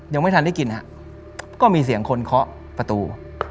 ยังไม่ทันได้กินฮะก็มีเสียงคนเคาะประตู